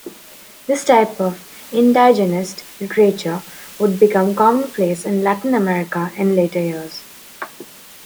This type of "indigenist literature" would become commonplace in Latin America in later years.